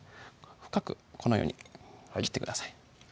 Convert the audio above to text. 深くこのように切ってください